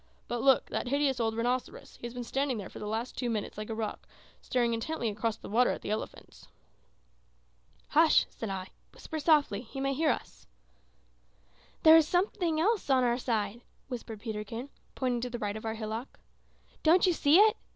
"But, look that hideous old rhinoceros. He has been standing there for the last two minutes like a rock, staring intently across the water at the elephants." "Hush!" said I. "Whisper softly. He may hear us." "There goes something else on our side," whispered Peterkin, pointing to the right of our hillock. "Don't you see it?